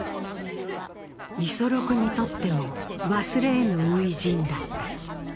五十六にとっても忘れ得ぬ初陣だった。